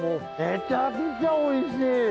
めちゃくちゃおいしい。